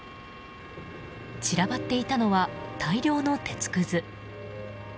散らばっていたのは大量の鉄くず。